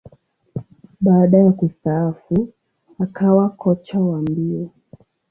Baada ya kustaafu, akawa kocha wa mbio.